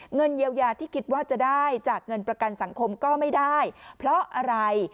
เงินเยียวยาที่คิดว่าจะได้จากเงินประกันสังคมก็ไม่ได้เพราะอะไร